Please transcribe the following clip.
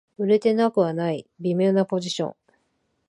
売れてなくはない微妙なポジション